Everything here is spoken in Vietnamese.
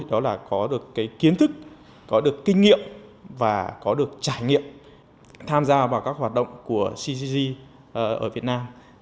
đó là có được kiến thức kinh nghiệm và trải nghiệm tham gia vào các hoạt động của ccg ở việt nam